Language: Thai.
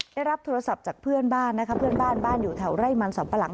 ได้รับโทรศัพท์จากเพื่อนบ้านนะคะเพื่อนบ้านบ้านอยู่แถวไร่มันสัมปะหลัง